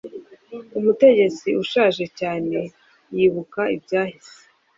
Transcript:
Umutegetsi ushaje cyane yibuka ibyahise